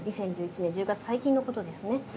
２０２１年１０月最近のことですね。